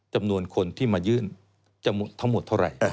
จำนวนคนที่มายื่นจะทั้งหมดเท่าไหร่